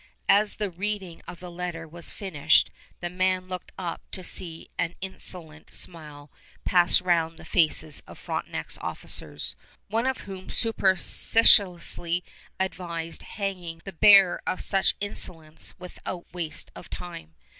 . As the reading of the letter was finished the man looked up to see an insolent smile pass round the faces of Frontenac's officers, one of whom superciliously advised hanging the bearer of such insolence without waste of time.